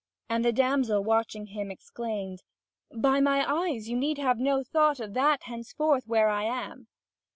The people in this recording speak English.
And the damsel watching him, exclaimed: "By my eyes, you need have no thought of that henceforth where I am."